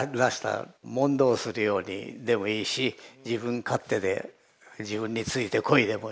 問答するようにでもいいし自分勝手で「自分についてこい！」でもいいし。